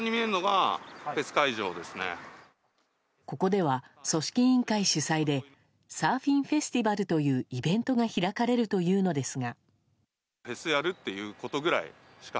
ここでは組織委員会主催でサーフィンフェスティバルというイベントが開かれるというのですが。